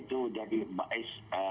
itu mewakili perusahaan saya